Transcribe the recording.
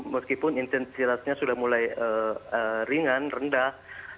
meskipun intensitasnya sudah mulai ringan rendah